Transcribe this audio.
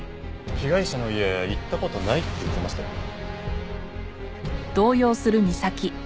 被害者の家行った事ないって言ってましたよね？